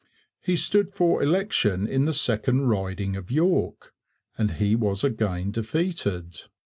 He stood for election in the second riding of York, and he was again defeated.